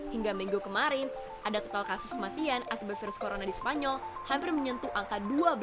hingga minggu kemarin ada total kasus kematian akibat virus corona di spanyol hampir menyentuh angka dua belas